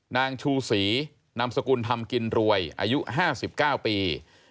นางชูศรีนามสกุลธรรมกินรวยอายุ๕๙ปี